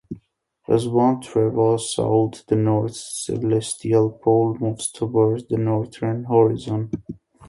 As one travels south, the north celestial pole moves towards the northern horizon.